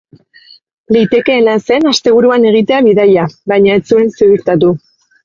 Litekeena zen asteburuan egitea bidaia baina ez zuen ziurtatu.